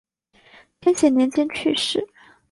天显年间去世。